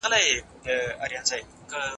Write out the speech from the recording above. موږ ټول یو بل ته اړتیا لرو.